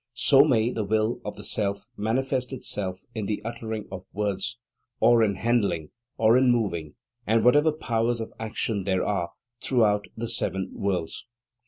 So may the will of the Self manifest itself in the uttering of words, or in handling, or in moving, and whatever powers of action there are throughout the seven worlds.